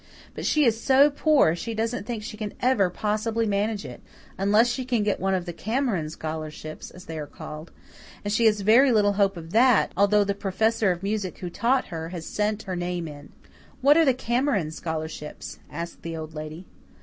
But she is so poor she doesn't think she can ever possibly manage it unless she can get one of the Cameron scholarships, as they are called; and she has very little hope of that, although the professor of music who taught her has sent her name in." "What are the Cameron scholarships?" asked the Old Lady.